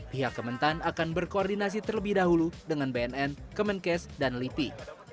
pihak kementan akan berkoordinasi terlebih dahulu dengan bnn kemenkes dan lipi